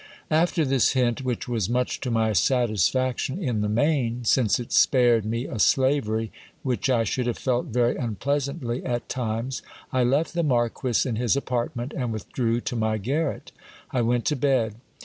After this hint, which was much to my satisfaction in the main, since it spared me a slavery which I should have felt very unpleasantly at times, I left the marquis in his apartment, and withdrew to my garret. I went to bed.